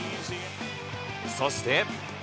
そして。